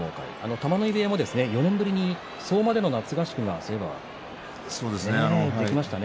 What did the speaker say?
玉ノ井部屋も４年ぶりに夏合宿ができましたね。